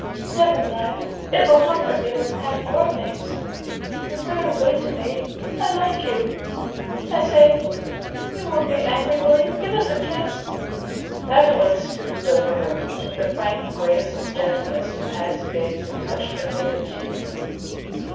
Never mind! It will comfort me to unpack your Things. You're very good to me. I like you. I say—you won't be angry, will you? Give us a kiss." Magdalen stooped over her with the frank grace and gentleness of past days, and touched her faded cheek.